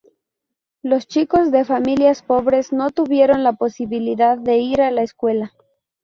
Los chicos de familias pobres no tuvieron la posibilidad de ir a la escuela.